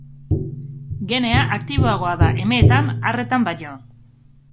Genea aktiboagoa da emeetan arretan baino.